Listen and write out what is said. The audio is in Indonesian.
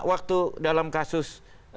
waktu dalam kasus